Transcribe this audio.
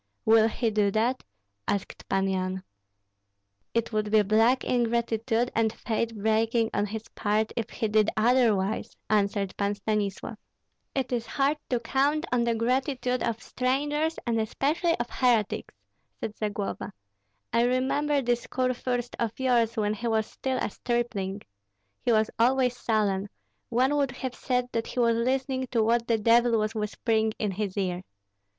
"Will he do that?" asked Pan Yan. "It would be black ingratitude and faith breaking on his part if he did otherwise," answered Pan Stanislav. "It is hard to count on the gratitude of strangers, and especially of heretics," said Zagloba. "I remember this kurfürst of yours when he was still a stripling. He was always sullen; one would have said that he was listening to what the devil was whispering in his ear.